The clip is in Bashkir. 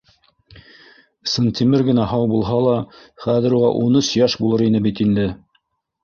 Сынтимер генә һау булһа ла, хәҙер уға ун өс йәш булыр ине бит инде.